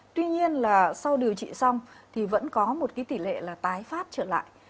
tuy nhiên là sau điều trị xong thì vẫn có một cái tỷ lệ là tái phát trở lại